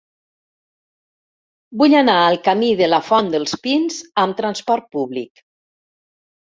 Vull anar al camí de la Font dels Pins amb trasport públic.